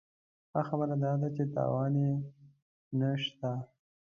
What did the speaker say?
ښه خبره داده چې تاوان یې نه شته.